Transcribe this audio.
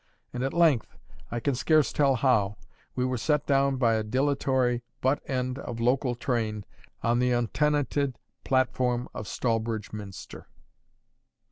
And at length, I can scarce tell how, we were set down by a dilatory butt end of local train on the untenanted platform of Stallbridge Minster.